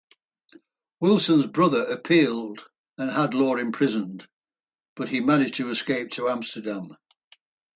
Wilson's brother appealed and had Law imprisoned, but he managed to escape to Amsterdam.